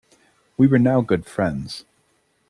We were now good friends.